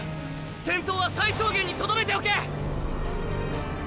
戦闘は最小限にとどめておけ。